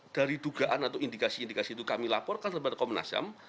dari dugaan atau indikasi indikasi itu kami laporkan kepada komnas ham